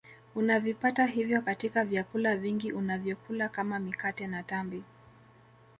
Unavipata hivyo katika vyakula vingi unavyokula kama mikate na tambi